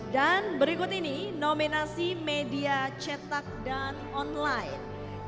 dan berikut ini nominasi media cetak dan online